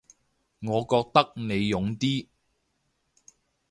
我覺得你勇啲